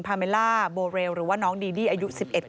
พบหน้าลูกแบบเป็นร่างไร้วิญญาณ